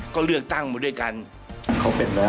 ใครสืบทอดอ่ะใครสืบทอดถับหน้า